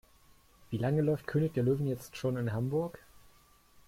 Wie lange läuft König der Löwen jetzt schon in Hamburg?